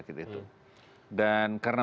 sakit itu dan karena